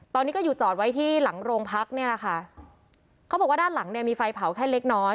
ตอนนี้ก็อยู่จอดไว้ที่หลังโรงพักเนี่ยแหละค่ะเขาบอกว่าด้านหลังเนี่ยมีไฟเผาแค่เล็กน้อย